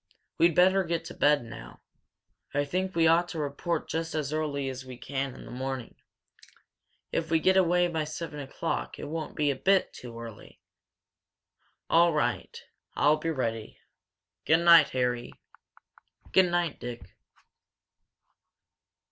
We'd better get to bed now. I think we ought to report just as early as we can in the morning. If we get away by seven o'clock, it won't be a bit too early." "All right. I'll be ready. Good night, Harry!" "Good night, Dick!"